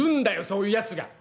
そういうやつが。